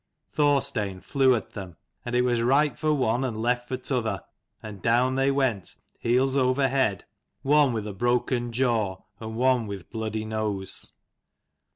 Thorstein flew at them, and it was right for one and left for t'other, and down they went, heels over head, one with a broken jaw and one with bloody nose.